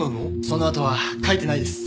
そのあとは書いてないです。